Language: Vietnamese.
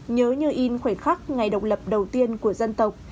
nhớ như in khoảnh khắc ngày độc lập đầu tiên của dân tộc